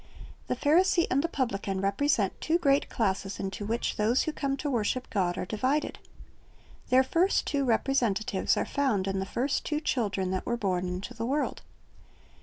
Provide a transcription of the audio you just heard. The Pharisee and the publican represent two great classes into which those who come to worship God are divided. Their first two representatives are found in the first two children that were born into the world.